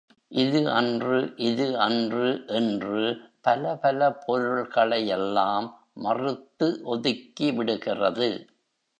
இது அன்று, இது அன்று என்று பலபல பொருள்களை எல்லாம் மறுத்து ஒதுக்கிவிடுகிறது.